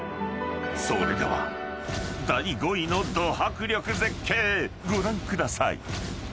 ［それでは第５位のド迫力絶景ご覧ください］